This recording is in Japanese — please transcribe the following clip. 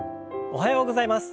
おはようございます。